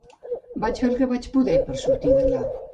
Vaig fer el que vaig poder per sortir d'allà.